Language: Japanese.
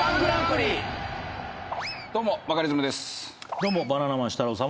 どうもバカリズムです。